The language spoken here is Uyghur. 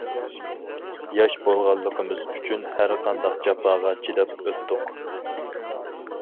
ياش بولغانلىقىمىز ئۈچۈن ھەر قانداق جاپاغا چىداپ ئۆتتۇق.